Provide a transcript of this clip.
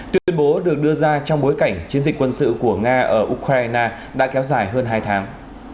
tuyên bố được đưa ra trong bối cảnh chiến dịch quân sự của nga ở ukraine đã kéo dài hơn hai tháng